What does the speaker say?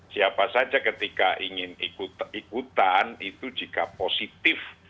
siapa saja ketika ingin ikutan itu jika positif